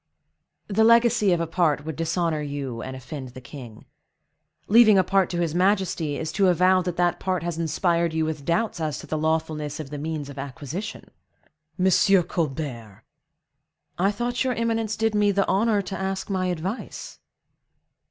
"The legacy of a part would dishonor you and offend the king. Leaving a part to his majesty, is to avow that that part has inspired you with doubts as to the lawfulness of the means of acquisition." "Monsieur Colbert!" "I thought your eminence did me the honor to ask my advice?"